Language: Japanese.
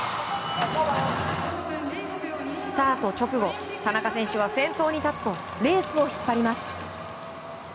スタート直後田中選手は先頭に立つとレースを引っ張ります。